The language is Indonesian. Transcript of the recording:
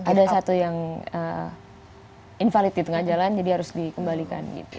ada satu yang invalid di tengah jalan jadi harus dikembalikan